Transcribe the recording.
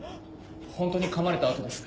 ホントに噛まれた痕です。